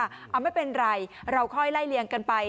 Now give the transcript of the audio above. เอาไม่เป็นไรเราค่อยไล่เลี่ยงกันไป